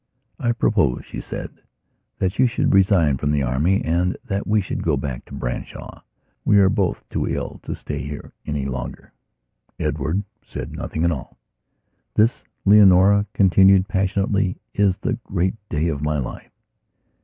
"I propose," she said, "that you should resign from the Army and that we should go back to Branshaw. We are both too ill to stay here any longer." Edward said nothing at all. "This," Leonora continued passionlessly, "is the great day of my life."